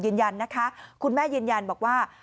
ยืนยันนะคะคุณแม่ยืนยันบอกว่า